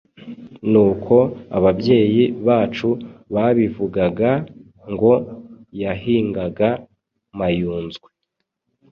nuko ababyeyi bacu babivugaga, ngo yahingaga Mayunzwe,